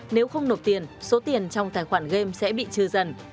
nếu không nộp tiền số tiền trong tài khoản game sẽ bị trừ dần